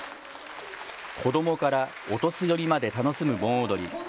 子どもからお年寄りまで楽しむ盆踊り。